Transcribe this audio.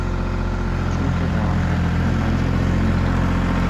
چونکە داواکارییەکانمان جێبەجێ نەکراون